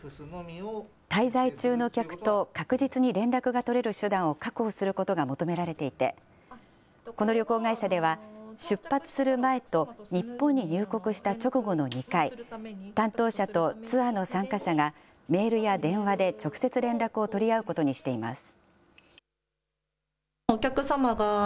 滞在中の客と確実に連絡が取れる手段を確保することが求められていて、この旅行会社では、出発する前と、日本に入国した直後の２回、担当者とツアーの参加者がメールや電話で直接連絡を取り合うことにしています。